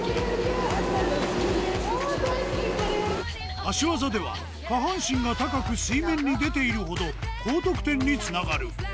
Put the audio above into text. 足技では、下半身が高く水面に出ているほど高得点につながる。